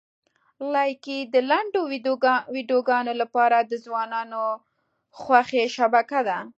لایکي د لنډو ویډیوګانو لپاره د ځوانانو خوښې شبکه ده.